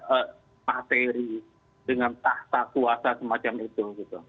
dengan tahta kuasa semacam itu